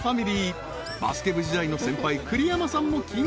［バスケ部時代の先輩栗山さんも緊急参戦］